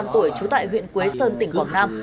hai mươi năm tuổi trú tại huyện quế sơn tỉnh quảng nam